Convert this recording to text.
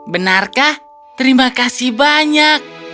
benarkah terima kasih banyak